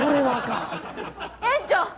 園長！